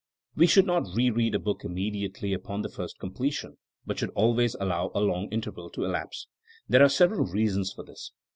We should not re read a book immediately upon the first completion but should always allow a long interval to elapse. There are sev eral reasons for this.